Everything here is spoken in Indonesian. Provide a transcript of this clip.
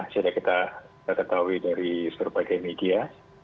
sudah kita ketahui dari berbagai media